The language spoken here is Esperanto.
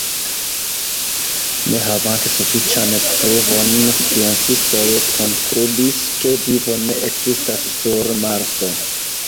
Ne havante sufiĉan pruvon, sciencistoj konkludis, ke vivo ne ekzistas sur Marso.